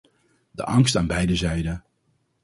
De angst aan beide zijden.